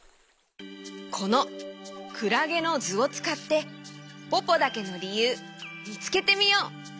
このクラゲのずをつかってポポだけのりゆうみつけてみよう！